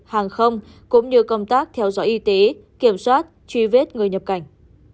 hàng không cũng như công tác theo dõi y tế kiểm soát truy vết người nhập cảnh